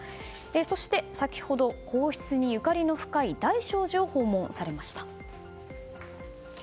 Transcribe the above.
そして先ほど皇室にゆかりの深い大聖寺を訪問されました。